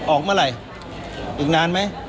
ออกเมื่อไหร่อีกนานไหม